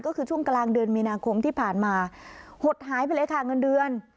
ก็คือช่วงกลางเดือนมีนาคมที่ผ่านมาหดหายไปเลยค่ะเงินเดือน